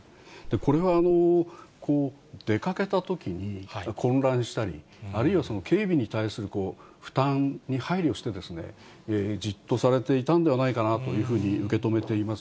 これは出かけたときに混乱したり、あるいは警備に対する負担に配慮して、じっとされていたんではないかなというふうに受け止めています。